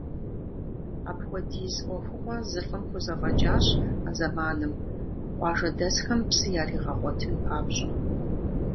Апхуэдиз ӏуэхугъуэ зы лӏым хузэфӏэкӏащ а зэманым, къуажэдэсхэм псы яригъэгъуэтын папщӏэ.